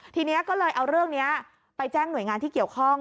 ทีนี้ก็เลยเอาเรื่องนี้ไปแจ้งหน่วยงานที่เกี่ยวข้อง